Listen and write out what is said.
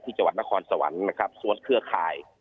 ที่จัวร์ดนครสวรรค์สวชชัย